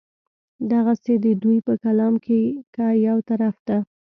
دغسې د دوي پۀ کلام کښې کۀ يو طرف ته